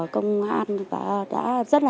công an đã rất là